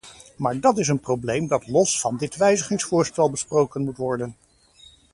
Maar dat is een probleem dat los van dit wijzigingsvoorstel besproken moet worden.